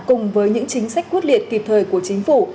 cùng với những chính sách quyết liệt kịp thời của chính phủ